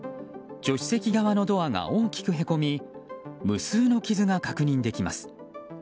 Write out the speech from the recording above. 助手席側のドアが大きくへこみ無数の傷が確認できます。